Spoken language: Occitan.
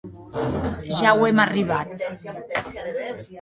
Ja auem arribat.